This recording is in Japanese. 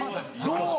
どう？